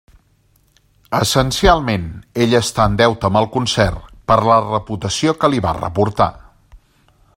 Essencialment, ell està en deute amb el concert per la reputació que li va reportar.